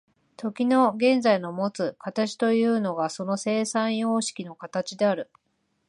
時の現在のもつ形というのがその生産様式の形である。